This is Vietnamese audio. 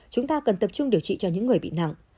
chúng ta cần tập trung điều trị cho những người bị nặng